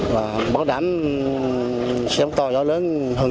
và bảo đảm xe tàu nó lớn